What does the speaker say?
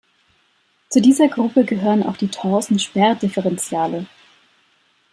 Zu dieser Gruppe gehören auch die Torsen-Sperrdifferentiale.